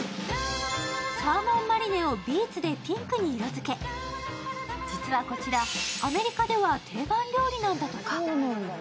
サーモンマリネをビーツでピンクに色づけ、実はこちら、アメリカでは定番料理なんだとか。